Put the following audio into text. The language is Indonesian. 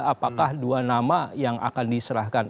apakah dua nama yang akan diserahkan